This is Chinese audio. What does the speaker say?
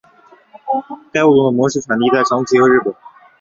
该物种的模式产地在长崎和日本。